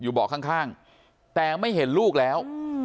เบาะข้างแต่ไม่เห็นลูกแล้ว